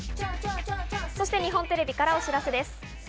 そして日本テレビからお知らせです。